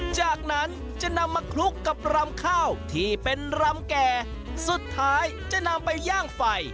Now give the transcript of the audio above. จากนั้นจะนำมาคลุกกับรำข้าวที่เป็นรำแก่สุดท้ายจะนำไปย่างไฟ